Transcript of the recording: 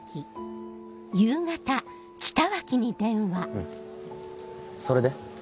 うんそれで？